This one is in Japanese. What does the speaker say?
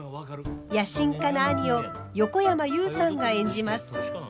野心家な兄を横山裕さんが演じます。